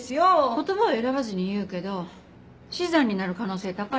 言葉を選ばずに言うけど死産になる可能性高いよ。